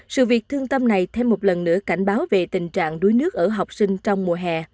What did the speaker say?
sự việc thương tâm này thêm một lần nữa cảnh báo về tình trạng đuối nước ở học sinh trong mùa hè